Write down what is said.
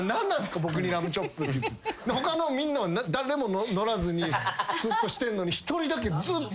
僕にラムチョップ」他のみんなは誰も乗らずにすっとしてんのに１人だけずっと。